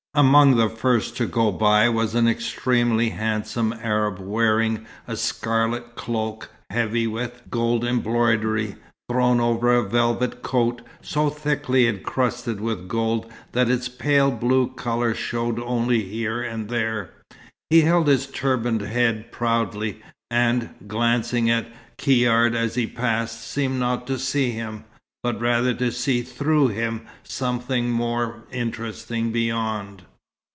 Among the first to go by was an extremely handsome Arab wearing a scarlet cloak heavy with gold embroidery, thrown over a velvet coat so thickly encrusted with gold that its pale blue colour showed only here and there. He held his turbaned head proudly, and, glancing at Caird as he passed, seemed not to see him, but rather to see through him something more interesting beyond.